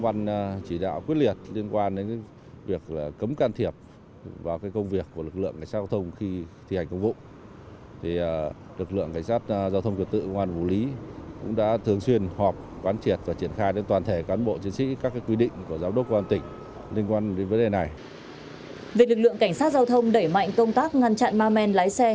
về lực lượng cảnh sát giao thông đẩy mạnh công tác ngăn chặn ma men lái xe